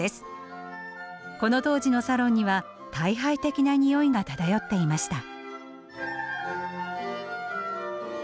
この当時のサロンには退廃的なにおいが漂っていました。